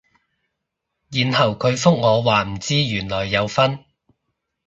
然後佢覆我話唔知原來有分